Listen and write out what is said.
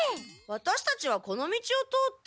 ワタシたちはこの道を通って。